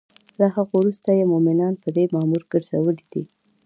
له هغوی وروسته یی مومنان په دی مامور ګرځولی دی